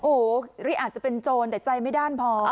โอ้โหหรืออาจจะเป็นโจรแต่ใจไม่ด้านพอ